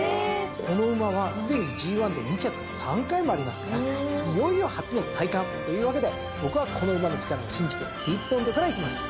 この馬はすでにＧⅠで２着３回もありますからいよいよ初の戴冠というわけで僕はこの馬の力を信じてディープボンドからいきます。